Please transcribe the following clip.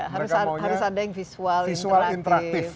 harus ada yang visual interaktif